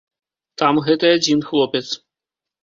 Там гэты адзін хлопец.